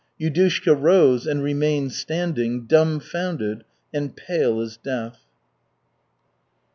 Yudushka rose, and remained standing, dumfounded and pale as death.